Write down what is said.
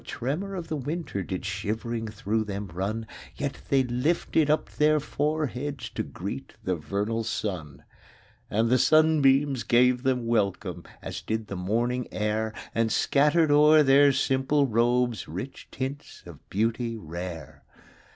5 Though a tremor of the winter Did shivering through them run; Yet they lifted up their foreheads To greet the vernal sun. And the sunbeams gave them welcome. As did the morning air And scattered o'er their simple robes Rich tints of beauty rare.